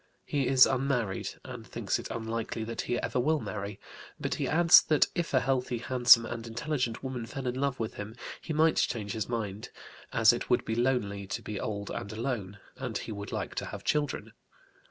He is unmarried, and thinks it is unlikely that he ever will marry, but he adds that if a healthy, handsome, and intelligent woman fell in love with him he might change his mind, as it would be lonely to be old and alone, and he would like to have children.